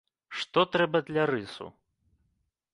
Што трэба для рысу?